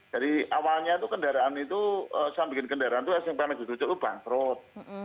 jadi awalnya itu kendaraan itu saya bikin kendaraan itu smpmjj itu bangkrut